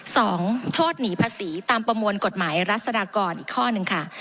โทษหนีภาษีตามประมวลกฎหมายรัศดากรอีกข้อหนึ่งค่ะ